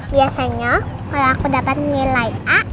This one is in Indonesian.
biasanya kalau aku dapat nilai a